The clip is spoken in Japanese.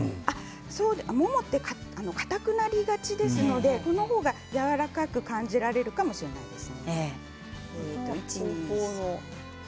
もも肉はかたくなりがちなのでこの方がやわらかく感じられるかもしれません。